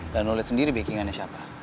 dan lo liat sendiri backingannya siapa